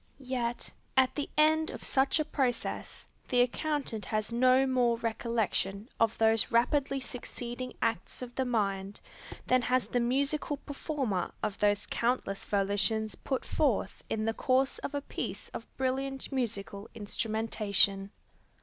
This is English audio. Yet, at the end of such a process, the accountant has no more recollection of those rapidly succeeding acts of the mind, than has the musical performer of those countless volitions put forth in the course of a piece of brilliant musical instrumentation.